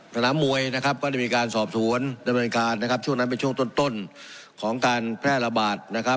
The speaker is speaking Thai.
สนามมวยก็ได้มีการสอบสวนด้านบริการช่วงนั้นเป็นช่วงต้นของการแพร่ระบาด